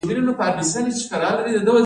د کمال خان بند د کوم سیند اوبه کنټرولوي؟